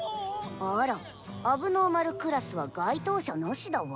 あら問題児クラスは該当者なしだわ。